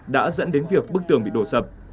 đã dẫn đến việc bức tường bị đổ sập